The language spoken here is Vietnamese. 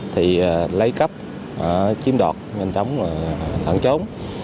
thì lấy cấp chiếm đọt nhanh chóng tặng chống